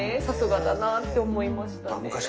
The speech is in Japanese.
さすがだなって思いましたね。